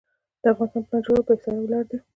د اقتصاد پلان جوړول په احصایه ولاړ دي؟